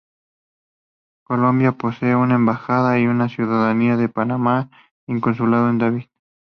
Colombia posee una embajada en Ciudad de Panamá y un consulado en David.